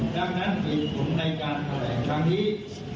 ดังนั้นผมในการแถลงทางนี้